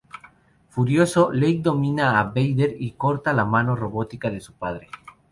Furioso, Luke domina a Vader y corta la mano robótica de su padre.